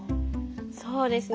そうですね。